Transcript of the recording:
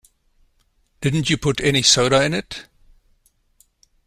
Didn't you put any soda in it?